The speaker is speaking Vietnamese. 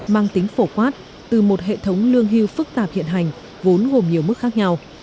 mang tính phổ quát từ một hệ thống lương hưu phức tạp hiện hành vốn gồm nhiều mức khác nhau